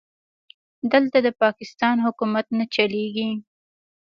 دلته د پاکستان حکومت نه چلېږي.